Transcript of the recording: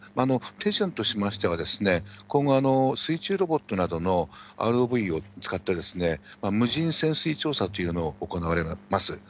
手順としましては、今後、水中ロボットなどのＲＯＶを使った無人潜水調査というのを行われます。